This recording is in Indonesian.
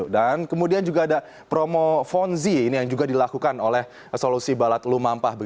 dan kemudian juga ada promo fonzi ini yang juga dilakukan oleh solusi balat lumampah